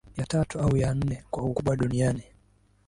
Ya tatu au ya nne kwa ukubwa duniani